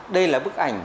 đây là bức ảnh